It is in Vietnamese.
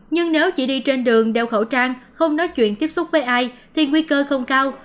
nhưng nếu chỉ đi trên đường đeo khẩu trang không nói chuyện tiếp xúc với ai thì nguy cơ không cao